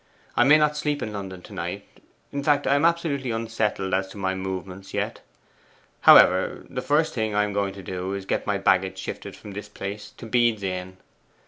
I may not sleep in London to night; in fact, I am absolutely unsettled as to my movements yet. However, the first thing I am going to do is to get my baggage shifted from this place to Bede's Inn.